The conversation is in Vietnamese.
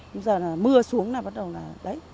bây giờ là mưa xuống là bắt đầu là đấy